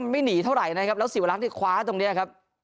ไม่หนีเท่าไหร่นะครับแล้วศิวรักษ์ที่คว้าตรงนี้ครับ